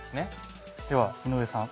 では井上さん。